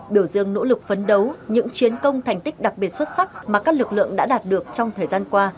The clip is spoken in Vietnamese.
biểu dương nỗ lực phấn đấu những chiến công thành tích đặc biệt xuất sắc mà các lực lượng đã đạt được trong thời gian qua